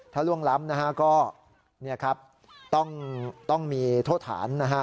ถ้าล่วงล้ำนะฮะก็ต้องมีโทษฐานนะฮะ